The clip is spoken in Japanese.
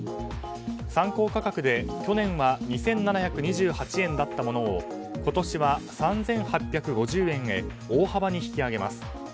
参考価格で去年は２７２８円だったものを今年は３８５０円へ大幅に引き上げます。